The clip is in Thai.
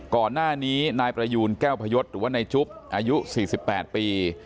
ก่อนหน้านี้นายประยูนแก้วพยศหรือว่านายจุ๊บอายุ๔๘ปี